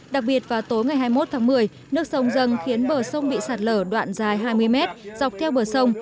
đặc biệt vào tối ngày hai mươi một tháng một mươi nước sông dân khiến bờ sông bị sạt lở đoạn dài hai mươi mét dọc theo bờ sông